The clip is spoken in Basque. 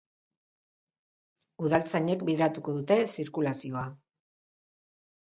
Udaltzainek bideratuko dute zirkulazioa.